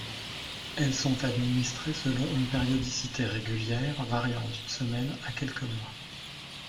Elles sont administrées selon une périodicité régulière, variant d'une semaine a quelques mois.